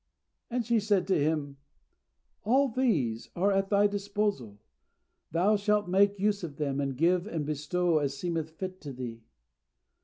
And she said to him, "All these are at thy disposal; thou shalt make use of them, and give and bestow as seemeth fit to thee."